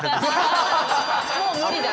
もう無理だ。